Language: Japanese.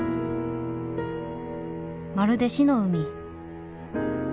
まるで死の海。